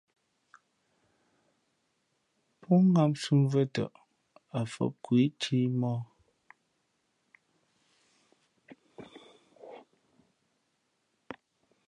Pó ŋǎmsī mvʉ̄ᾱ tαʼ, ǎ fǒp khu ǐ cǐmōh.